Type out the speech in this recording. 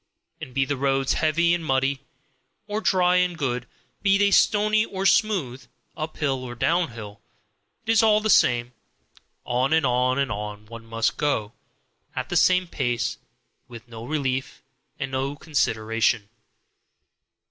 And be the roads heavy and muddy, or dry and good; be they stony or smooth, uphill or downhill, it is all the same on, on, on, one must go, at the same pace, with no relief and no consideration.